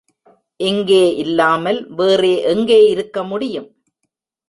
இங்கே இல்லாமல் வேறே எங்கே இருக்க முடியும்?